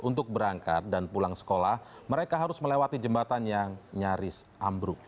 untuk berangkat dan pulang sekolah mereka harus melewati jembatan yang nyaris ambruk